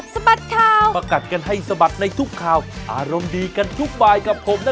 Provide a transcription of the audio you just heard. สวัสดีครับ